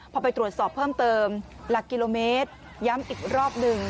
พอไปตรวจสอบเพิ่มเติมหลักกิโลเมตรย้ำอีกรอบหนึ่ง